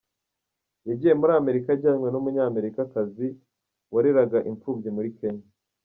Yagiye muri Amerika ajyanwe n’Umunyamerikakazi wareraga imfubyi muri Kenya.